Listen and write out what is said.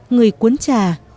người cuốn trà